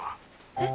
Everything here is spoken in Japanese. えっ？